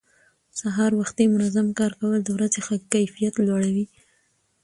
سهار وختي منظم کار کول د ورځې کیفیت لوړوي